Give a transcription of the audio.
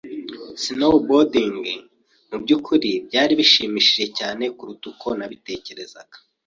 Snowboarding mubyukuri byari bishimishije cyane kuruta uko nabitekerezaga.